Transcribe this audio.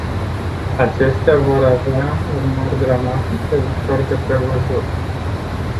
Acestea vor avea urmări dramatice, ușor de prevăzut.